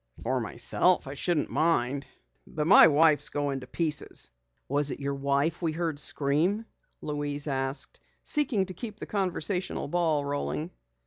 "For myself I shouldn't mind, but my wife's going to pieces." "Was it your wife we heard scream?" Louise asked, seeking to keep the conversational ball rolling.